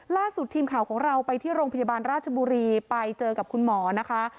ล่าสุดทีมข่าวของเราไปที่โรงพยาบาลราชบุรีไปเจอกับคุณหมอนะคะ